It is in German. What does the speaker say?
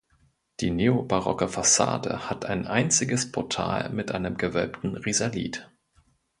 Die neobarocke Fassade hat ein einziges Portal mit einem gewölbten Risalit.